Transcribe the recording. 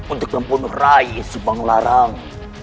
untuk membunuh rai subang larang